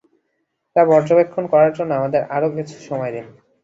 তা পর্যবেক্ষণ করার জন্য আমাদের আরো কিছু সময় দিন।